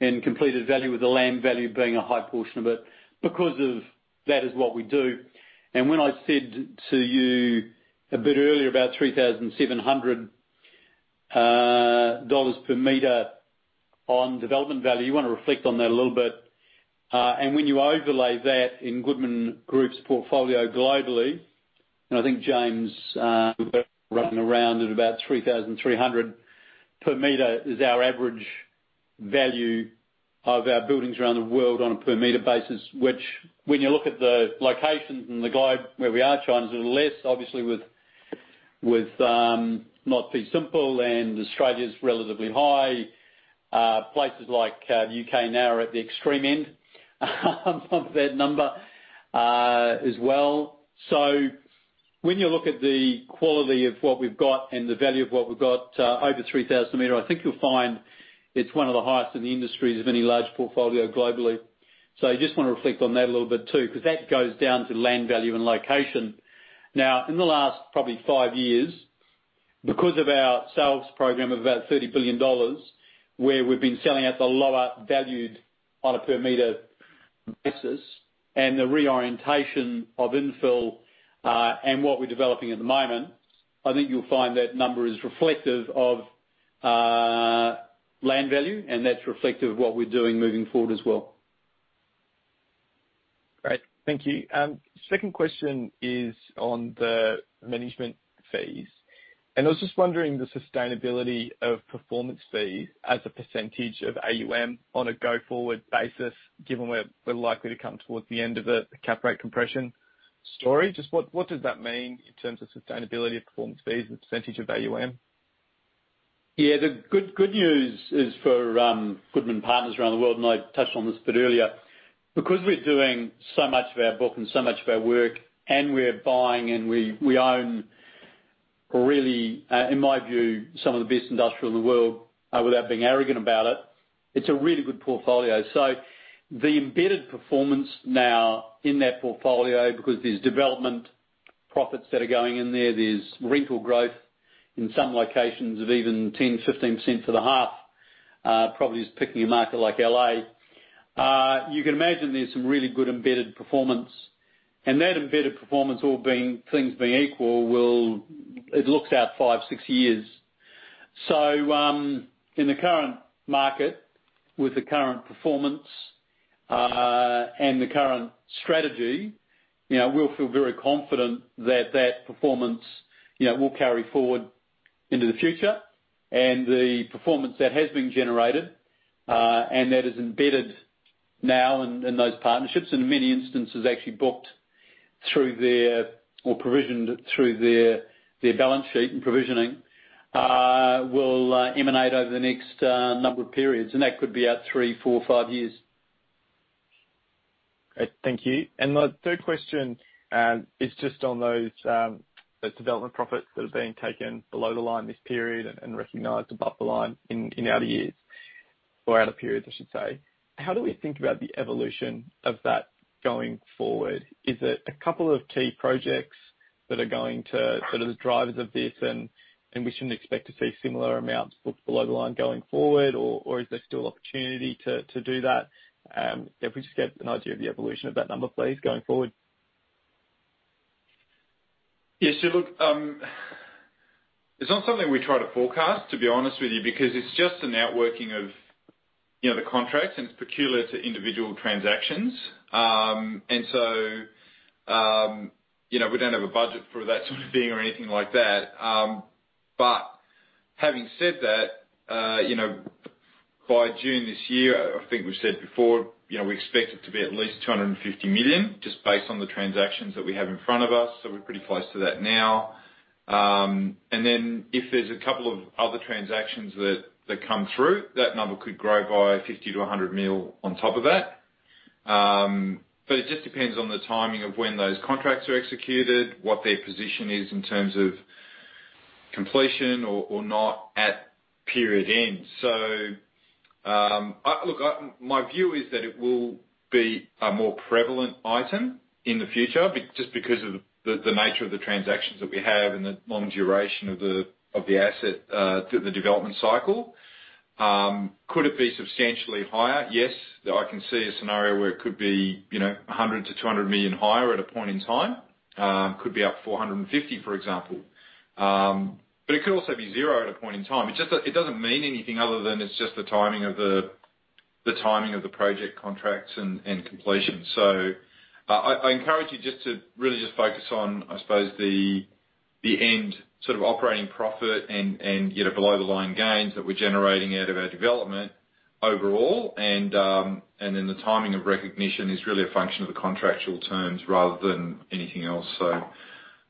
and completed value with the land value being a high portion of it because of that is what we do. When I said to you a bit earlier about 3,700 dollars per meter on development value, you wanna reflect on that a little bit. When you overlay that in Goodman Group's portfolio globally, I think James running around at about 3,300 per meter is our average value of our buildings around the world on a per meter basis, which when you look at the locations and the globe where we are, China's a little less obviously with not too simple, and Australia's relatively high. Places like the U.K. now are at the extreme end of that number, as well. When you look at the quality of what we've got and the value of what we've got over 3,000 a meter, I think you'll find it's one of the highest in the industry of any large portfolio globally. I just wanna reflect on that a little bit too, 'cause that goes down to land value and location. Now, in the last probably five years, because of our sales program of about AUD 30 billion, where we've been selling at the lower valued on a per meter basis and the reorientation of infill, and what we're developing at the moment, I think you'll find that number is reflective of, land value, and that's reflective of what we're doing moving forward as well. Great. Thank you. Second question is on the management fees. I was just wondering the sustainability of performance fees as a percentage of AUM on a go-forward basis, given we're likely to come towards the end of the cap rate compression story. Just what does that mean in terms of sustainability of performance fees and percentage of AUM? Yeah, the good news is for Goodman partners around the world, and I touched on this a bit earlier. Because we're doing so much of our book and so much of our work, and we're buying and we own really, in my view, some of the best industrial in the world, without being arrogant about it's a really good portfolio. The embedded performance now in that portfolio, because there's development profits that are going in there's rental growth in some locations of even 10%, 15% for the half, properties in a market like L.A. You can imagine there's some really good embedded performance. That embedded performance, all things being equal, will look out five, six years. In the current market, with the current performance, and the current strategy, you know, we'll feel very confident that that performance, you know, will carry forward into the future. The performance that has been generated, and that is embedded now in those partnerships, in many instances, actually provisioned through their balance sheet and provisioning, will emanate over the next number of periods, and that could be out three, four, five years. Great. Thank you. My third question is just on those development profits that are being taken below the line this period and recognized above the line in outer years or outer periods, I should say. How do we think about the evolution of that going forward? Is it a couple of key projects that are going to sort of the drivers of this and we shouldn't expect to see similar amounts booked below the line going forward or is there still opportunity to do that? If we just get an idea of the evolution of that number, please, going forward. Yes, look, it's not something we try to forecast, to be honest with you, because it's just a netting of, you know, the contracts and it's peculiar to individual transactions. We don't have a budget for that sort of thing or anything like that. But having said that, you know, by June this year, I think we've said before, you know, we expect it to be at least 250 million, just based on the transactions that we have in front of us, so we're pretty close to that now. Then if there's a couple of other transactions that come through, that number could grow by 50 million-100 million on top of that. It just depends on the timing of when those contracts are executed, what their position is in terms of completion or not at period end. My view is that it will be a more prevalent item in the future just because of the nature of the transactions that we have and the long duration of the asset through the development cycle. Could it be substantially higher? Yes. I can see a scenario where it could be, you know, 100 million-200 million higher at a point in time. Could be up 450 million, for example. It could also be zero at a point in time. It just doesn't mean anything other than it's just the timing of the project contracts and completion. I encourage you just to really just focus on, I suppose, the end sort of operating profit and, you know, below-the-line gains that we're generating out of our development overall. Then the timing of recognition is really a function of the contractual terms rather than anything else. I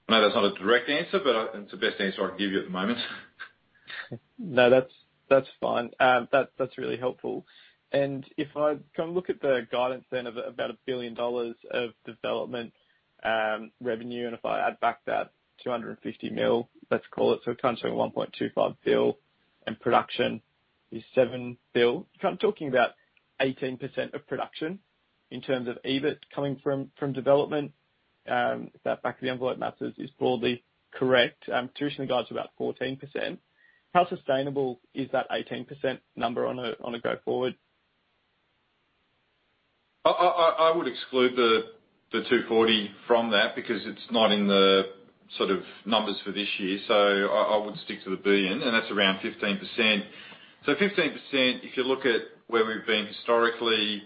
know that's not a direct answer, but I think it's the best answer I can give you at the moment. No, that's fine. That's really helpful. If I can look at the guidance then of about 1 billion dollars of development revenue, and if I add back that 250 million, let's call it, so it comes to 1.25 billion, and production is 7 billion. I'm talking about 18% of production in terms of EBIT coming from development, if that back-of-the-envelope math is broadly correct. Traditionally guides about 14%. How sustainable is that 18% number on a go forward? I would exclude the 240 million from that because it's not in the sort of numbers for this year. I would stick to the 1 billion, and that's around 15%. 15%, if you look at where we've been historically,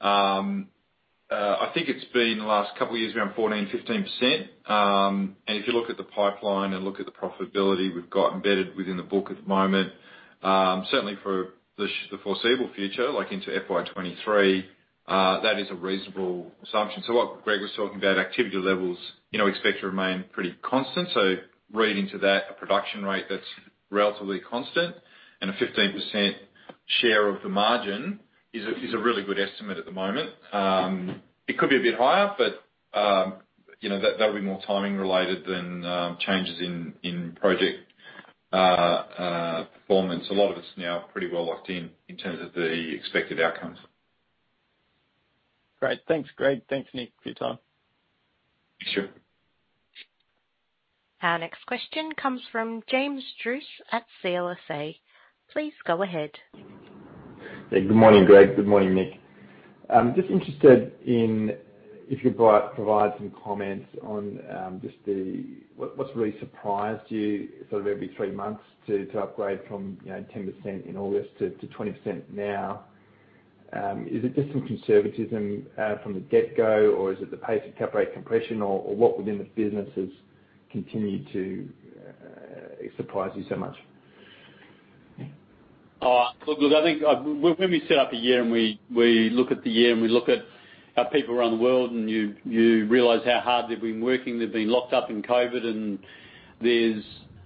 I think it's been the last couple of years around 14%, 15%. If you look at the pipeline and look at the profitability we've got embedded within the book at the moment, certainly for the foreseeable future, like into FY 2023, that is a reasonable assumption. What Greg was talking about, activity levels, you know, expect to remain pretty constant. Leading to that, a production rate that's relatively constant and a 15% share of the margin is a really good estimate at the moment. It could be a bit higher, but, you know, that'll be more timing related than changes in project performance. A lot of it's now pretty well locked in in terms of the expected outcomes. Great. Thanks, Greg. Thanks, Nick, for your time. Sure. Our next question comes from James Druce at CLSA. Please go ahead. Hey, good morning, Greg. Good morning, Nick. I'm just interested in if you could provide some comments on what really surprised you sort of every three months to upgrade from, you know, 10% in August to 20% now? Is it just some conservatism from the get-go, or is it the pace of cap rate compression, or what within the businesses continue to surprise you so much? Oh, look, I think when we set out the year, and we look at the year, and we look at our people around the world, and you realize how hard they've been working. They've been locked down in COVID, and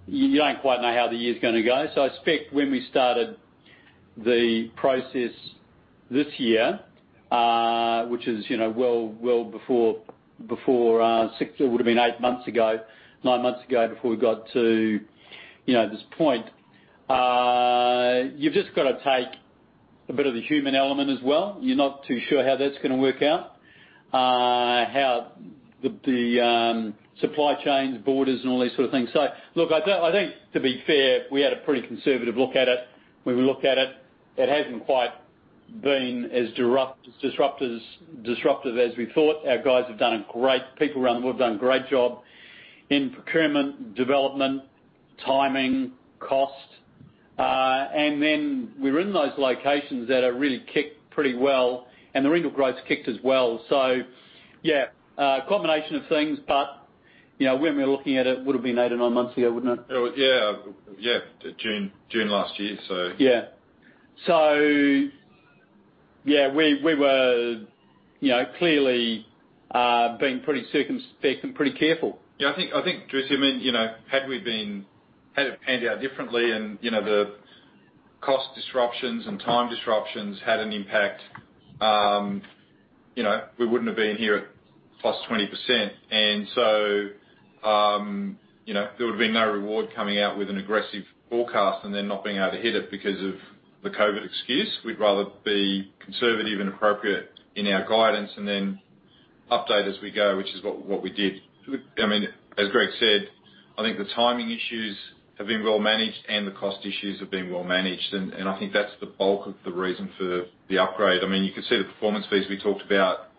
you don't quite know how the year's gonna go. I expect when we started the process this year, which is, you know, well before. It would have been eight months ago, nine months ago before we got to, you know, this point. You've just gotta take a bit of the human element as well. You're not too sure how that's gonna work out, how the supply chains, borders, and all these sort of things. Look, I think, to be fair, we had a pretty conservative look at it when we looked at it. It hasn't quite been as disruptive as we thought. People around the world have done a great job in procurement, development, timing, cost. And then we're in those locations that are really clicked pretty well, and the rental growth's clicked as well. Yeah, a combination of things. You know, when we're looking at it would have been eight or nine months ago, wouldn't it? It was, yeah, June last year, so. Yeah. Yeah, we were, you know, clearly being pretty circumspect and pretty careful. Yeah, I think, Druce, see what I mean, you know, had it panned out differently and, you know, the cost disruptions and time disruptions had an impact, you know, we wouldn't have been here at +20%. There would have been no reward coming out with an aggressive forecast and then not being able to hit it because of the COVID excuse. We'd rather be conservative and appropriate in our guidance and then update as we go, which is what we did. I mean, as Greg said, I think the timing issues have been well managed, and the cost issues have been well managed. I think that's the bulk of the reason for the upgrade. I mean, you can see the performance fees we talked about,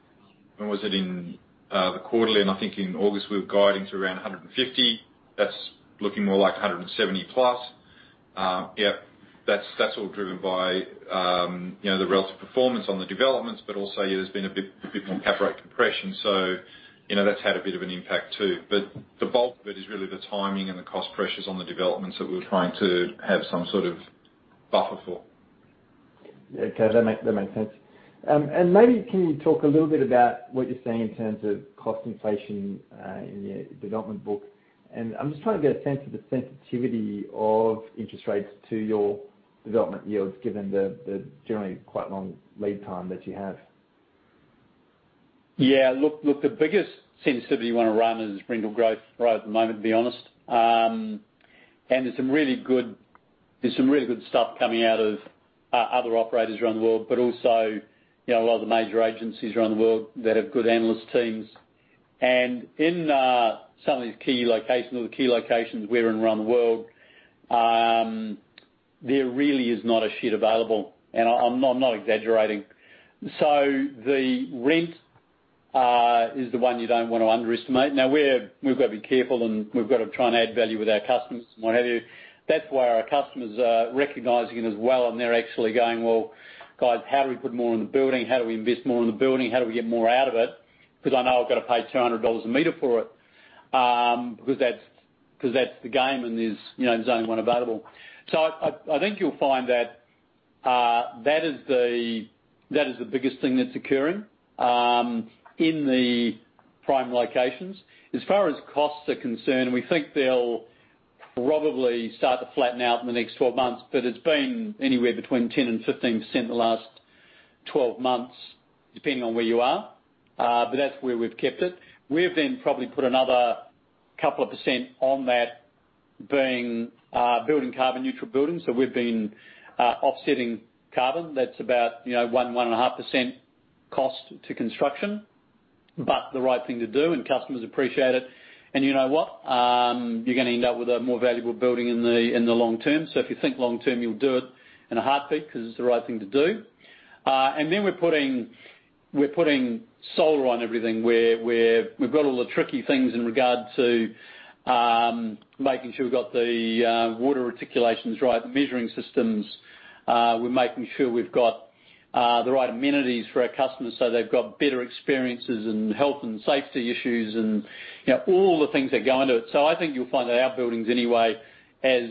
when was it? In the quarterly, I think in August, we were guiding to around 150 million. That's looking more like 170+ million. Yeah, that's all driven by you know, the relative performance on the developments, but also there's been a bit more cap rate compression. You know, that's had a bit of an impact, too. The bulk of it is really the timing and the cost pressures on the developments that we're trying to have some sort of buffer for. Yeah. Okay, that makes sense. Maybe can you talk a little bit about what you're seeing in terms of cost inflation in your development book? I'm just trying to get a sense of the sensitivity of interest rates to your development yields, given the generally quite long lead time that you have. Look, the biggest sensitivity you wanna run is rental growth right at the moment, to be honest. There's some really good stuff coming out of other operators around the world, but also, you know, a lot of the major agencies around the world that have good analyst teams. In some of these key locations we're in around the world, there really is not a suite available, and I'm not exaggerating. The rent is the one you don't want to underestimate. Now, we've got to be careful, and we've got to try and add value with our customers and what have you. That's why our customers are recognizing it as well, and they're actually going, "Well, guys, how do we put more in the building? How do we invest more in the building? How do we get more out of it? 'Cause I know I've got to pay 200 dollars a meter for it, because that's the game, and there's, you know, only one available. So I think you'll find that that is the biggest thing that's occurring in the prime locations. As far as costs are concerned, we think they'll probably start to flatten out in the next 12 months, but it's been anywhere between 10% and 15% the last 12 months, depending on where you are. But that's where we've kept it. We've then probably put another couple of percent on that being building carbon neutral buildings. So we've been offsetting carbon. That's about, you know, 1%, 1.5% cost to construction. The right thing to do, and customers appreciate it. You know what? You're gonna end up with a more valuable building in the long term. If you think long term, you'll do it in a heartbeat because it's the right thing to do. We're putting solar on everything. We've got all the tricky things in regard to making sure we've got the water allocations right, the measuring systems. We're making sure we've got the right amenities for our customers, so they've got better experiences and health and safety issues and, you know, all the things that go into it. I think you'll find that our buildings anyway, as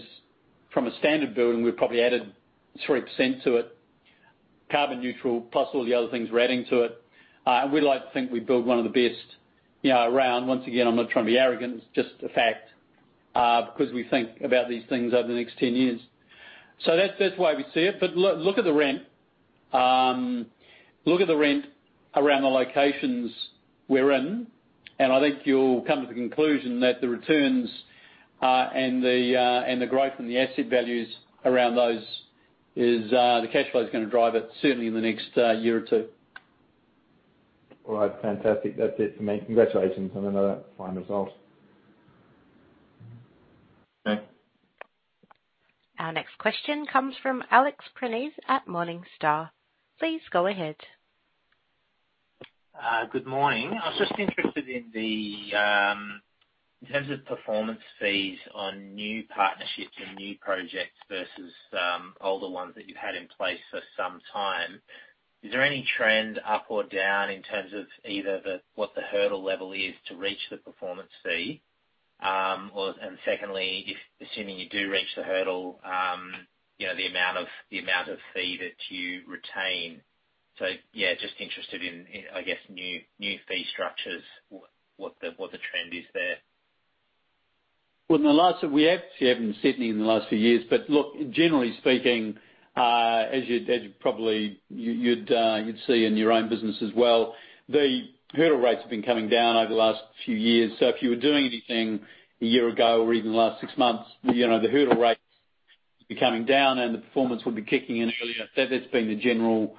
from a standard building, we've probably added 3% to it, carbon neutral, plus all the other things we're adding to it. We like to think we build one of the best, you know, around. Once again, I'm not trying to be arrogant. It's just a fact, because we think about these things over the next 10 years. That's the way we see it. Look at the rent. Look at the rent around the locations we're in, and I think you'll come to the conclusion that the returns and the growth and the asset values around those is the cash flow gonna drive it certainly in the next year or two. All right. Fantastic. That's it for me. Congratulations on another fine result. Thanks. Our next question comes from Alex Prineas at Morningstar. Please go ahead. Good morning. I was just interested in the in terms of performance fees on new partnerships and new projects versus older ones that you've had in place for some time. Is there any trend up or down in terms of either the what the hurdle level is to reach the performance fee? Well, and secondly, if assuming you do reach the hurdle, you know, the amount of fee that you retain. Yeah, just interested in I guess new fee structures, what the trend is there. Well, in the last that we have seen in Sydney in the last few years, but look, generally speaking, as you probably would see in your own business as well, the hurdle rates have been coming down over the last few years. If you were doing anything a year ago or even the last six months, you know, the hurdle rates have been coming down and the performance would be kicking in earlier. That's been the general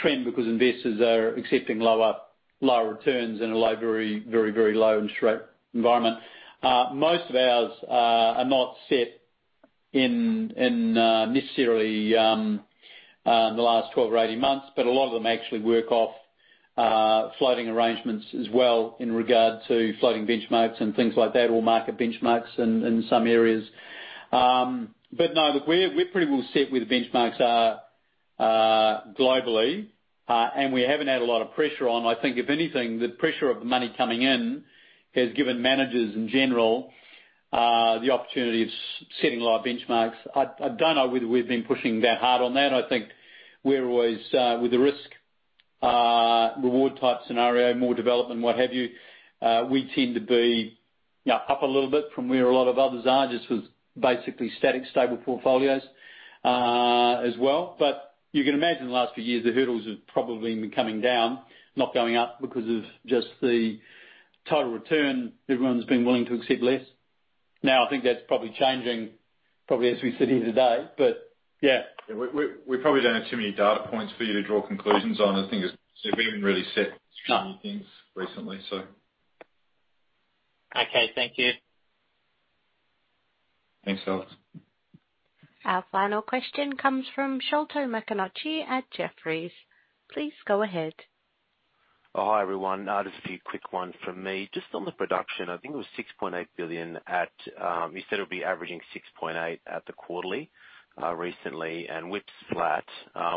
trend because investors are accepting lower returns in a very, very, very low interest rate environment. Most of ours are not set in necessarily the last 12 or 18 months, but a lot of them actually work off floating arrangements as well in regard to floating benchmarks and things like that, or market benchmarks in some areas. No, look, we're pretty well set where the benchmarks are, globally. We haven't had a lot of pressure on. I think if anything, the pressure of the money coming in has given managers in general, the opportunity of setting lower benchmarks. I don't know whether we've been pushing that hard on that. I think we're always, with the risk, reward type scenario, more development, what have you, we tend to be, yeah, up a little bit from where a lot of others are, just with basically static, stable portfolios, as well. You can imagine the last few years, the hurdles have probably been coming down, not going up because of just the total return. Everyone's been willing to accept less. Now, I think that's probably changing as we sit here today. Yeah. We probably don't have too many data points for you to draw conclusions on. I think it's, we haven't really set too many things recently, so. Okay. Thank you. Thanks, Alex. Our final question comes from Sholto Maconochie at Jefferies. Please go ahead. Oh, hi, everyone. Just a few quick ones from me. Just on the production, I think it was 6.8 billion at, you said it'll be averaging 6.8 billion at the quarterly, recently, and WIP's flat.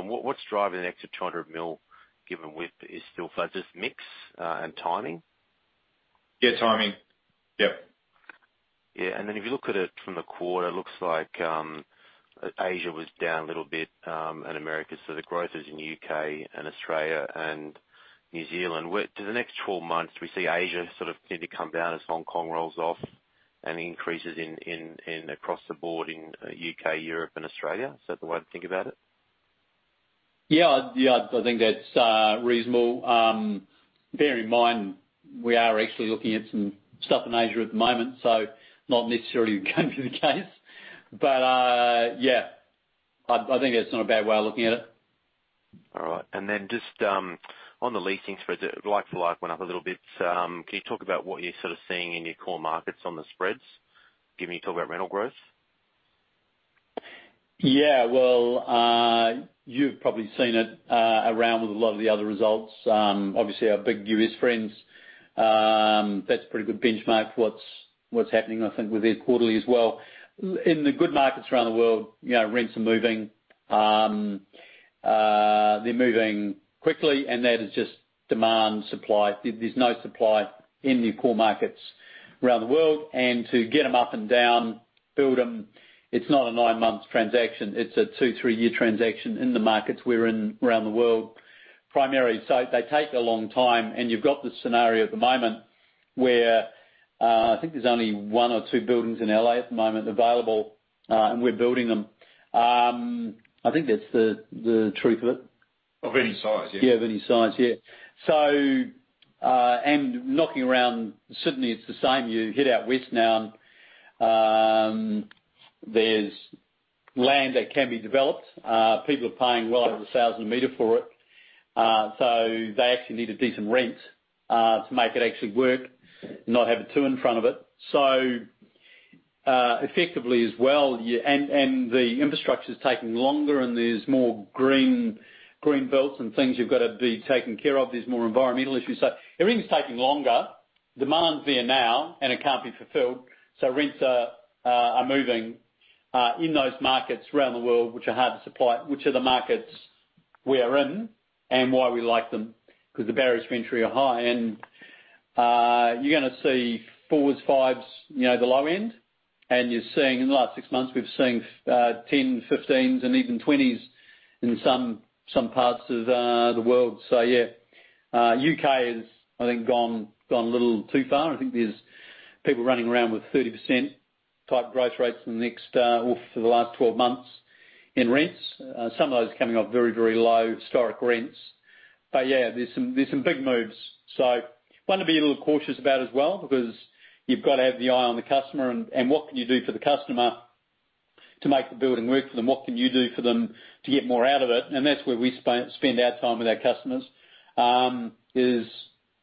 What's driving an extra 200 million, given WIP is still flat? Just mix and timing? Yeah, timing. Yep. Yeah. If you look at it from the quarter, it looks like Asia was down a little bit, and Americas. The growth is in U.K. and Australia and New Zealand. Over the next 12 months, we see Asia sort of continue to come down as Hong Kong rolls off and increases across the board in U.K., Europe and Australia. Is that the way to think about it? Yeah. Yeah, I think that's reasonable. Bear in mind, we are actually looking at some stuff in Asia at the moment, so not necessarily going to be the case. Yeah, I think that's not a bad way of looking at it. All right. Just on the leasing spreads, like for like, went up a little bit. Can you talk about what you're sort of seeing in your core markets on the spreads, given you talk about rental growth? Yeah. Well, you've probably seen it around with a lot of the other results. Obviously our big U.S. friends, that's a pretty good benchmark for what's happening, I think with their quarterly as well. In the good markets around the world, you know, rents are moving, they're moving quickly and that is just demand, supply. There's no supply in the core markets around the world. To get them up and down, build them, it's not a nine month transaction. It's a two, three year transaction in the markets we're in around the world, primarily. They take a long time. You've got the scenario at the moment where, I think there's only one or two buildings in L.A. at the moment available, and we're building them. I think that's the truth of it. Of any size, yeah. Yeah, of any size, yeah. Knocking around Sydney, it's the same. You head out west now and there's land that can be developed. People are paying well over 1,000 a meter for it. They actually need a decent rent to make it actually work, not have a two in front of it. Effectively as well, the infrastructure is taking longer and there's more green belts and things you've got to be taking care of. There's more environmental issues. Everything's taking longer. Demand's there now, and it can't be fulfilled. Rents are moving in those markets around the world which are hard to supply, which are the markets we are in and why we like them, because the barriers to entry are high. You're gonna see 4%-5%, you know, the low end. You're seeing in the last six months, we've seen 10%, 15%, and even 20% in some parts of the world. Yeah. U.K. has, I think, gone a little too far. I think there's people running around with 30% type growth rates in the next or for the last 12 months in rents. Some of those are coming off very low historic rents. Yeah, there's some big moves. Want to be a little cautious about it as well, because you've got to have the eye on the customer and what can you do for the customer to make the building work for them? What can you do for them to get more out of it? That's where we spend our time with our customers, is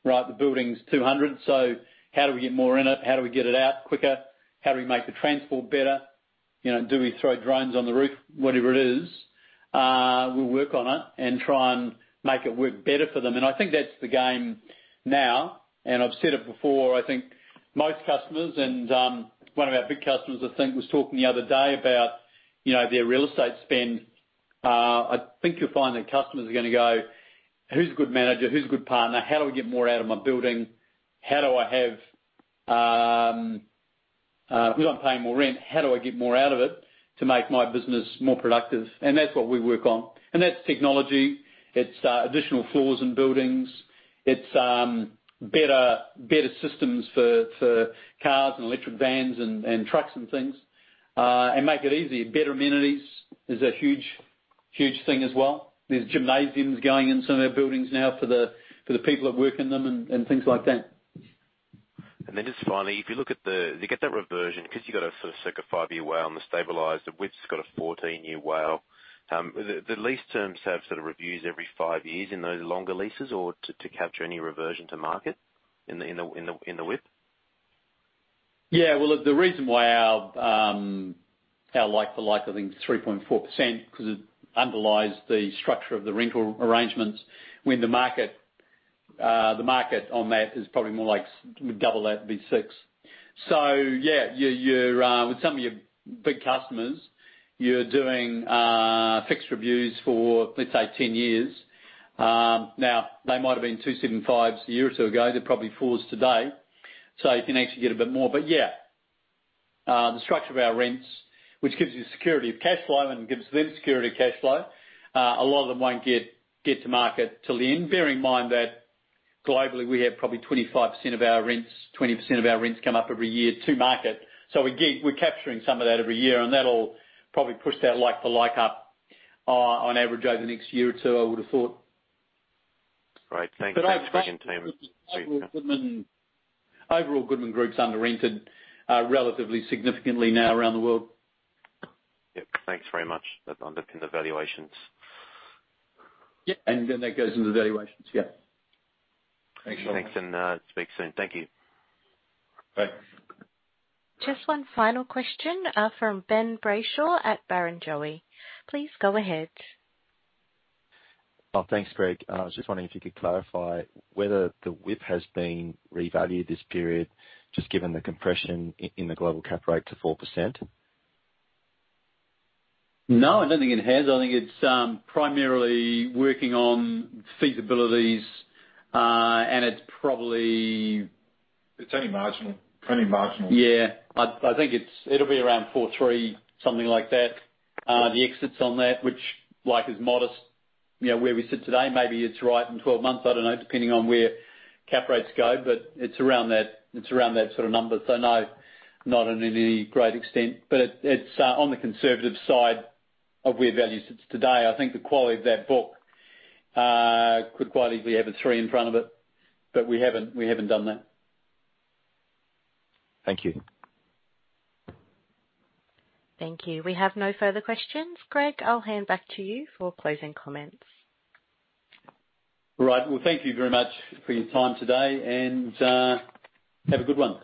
right, the building's 200, so how do we get more in it? How do we get it out quicker? How do we make the transport better? You know, do we throw drones on the roof? Whatever it is, we'll work on it and try and make it work better for them. I think that's the game now, and I've said it before, I think most customers and, one of our big customers I think was talking the other day about, you know, their real estate spend. I think you'll find that customers are gonna go, "Who's a good manager? Who's a good partner? How do I get more out of my building? How do I have. If I'm paying more rent, how do I get more out of it to make my business more productive? That's what we work on. That's technology. It's additional floors in buildings. It's better systems for cars and electric vans and trucks and things and make it easy. Better amenities is a huge thing as well. There's gymnasiums going in some of their buildings now for the people that work in them and things like that. Then just finally, if you look at the, you get that reversion because you've got a sort of circa five-year WALE and the stabilized. The WIP's got a 14-year WALE. The lease terms have sort of reviews every five years in those longer leases or to capture any reversion to market in the WIP? Well, the reason why our like-for-like I think is 3.4% 'cause it underlies the structure of the rental arrangements. When the market on that is probably more like double that, it would be 6%. Yeah, you're with some of your big customers, you're doing fixed reviews for, let's say, 10 years. Now, they might have been 2.75s a year or two ago. They're probably 4s today. You can actually get a bit more. Yeah, the structure of our rents, which gives you security of cash flow and gives them security of cash flow, a lot of them won't get to market till the end. Bearing in mind that globally we have probably 25% of our rents, 20% of our rents come up every year to market. Again, we're capturing some of that every year, and that'll probably push that like for like up on average over the next year or two, I would've thought. Great. Thanks. Overall Goodman Group's under rented, relatively significantly now around the world. Yep. Thanks very much. That underpins the valuations. Yeah. That goes into the valuations. Yeah. Thanks. Speak soon. Thank you. Bye. Just one final question, from Ben Brayshaw at Barrenjoey. Please go ahead. Oh, thanks, Greg. I was just wondering if you could clarify whether the WIP has been revalued this period, just given the compression in the global cap rate to 4%. No, I don't think it has. I think it's primarily working on feasibilities, and it's probably. It's only marginal. Only marginal. Yeah. I think it'll be around 4.3 billion, something like that. The exits on that which like is modest, you know, where we sit today, maybe it's right in 12 months, I don't know, depending on where cap rates go, but it's around that, it's around that sort of number. No, not in any great extent. It's on the conservative side of where value sits today. I think the quality of that book could quite easily have a 3 billion in front of it, but we haven't done that. Thank you. Thank you. We have no further questions. Greg, I'll hand back to you for closing comments. All right. Well, thank you very much for your time today, and have a good one.